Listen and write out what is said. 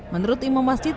menurut imam masjid